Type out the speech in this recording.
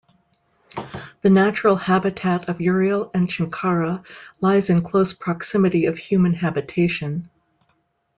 The natural habitat of urial and chinkara lies in close proximity of human habitation.